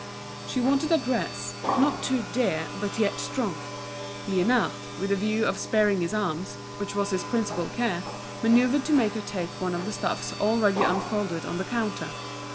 She wanted a dress, not too dear but yet strong. Liénard, with the view of sparing his arms, which was his principal care, manoeuvred to make her take one of the stuffs already unfolded on the counter.